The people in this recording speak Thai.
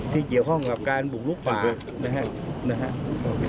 ที่เกี่ยวข้องกับการบุกลุกป่านะครับ